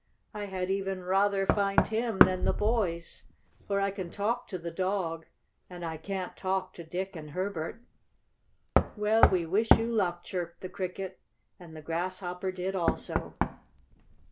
I had even rather find him than the boys, for I can talk to the dog, and I can't talk to Dick and Herbert." "Well, we wish you luck," chirped the Cricket, and the Grasshopper did also.